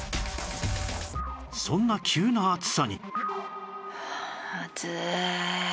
そんな急な暑さに